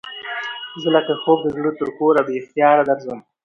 زه لکه خوب د زړه تر کوره بې اختیاره درځم